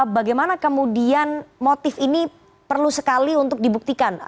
bagaimana kemudian motif ini perlu sekali untuk dibuktikan